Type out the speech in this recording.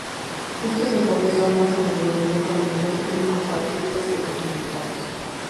Estos enfoques son más a menudo mutuamente incompatibles que complementarios.